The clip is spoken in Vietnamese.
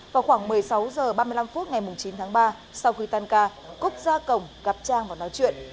vào khoảng một mươi sáu h ba mươi năm phút ngày chín tháng ba sau khi tan ca cúc ra cổng gặp trang và nói chuyện